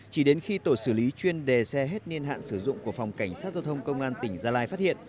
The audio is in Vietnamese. chỉ đến khi tổ xử lý chuyên đề xe hết niên hạn sử dụng của phòng cảnh sát giao thông công an tỉnh gia lai phát hiện